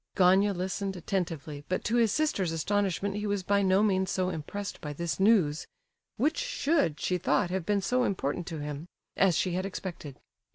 Gania listened attentively, but to his sister's astonishment he was by no means so impressed by this news (which should, she thought, have been so important to him) as she had expected.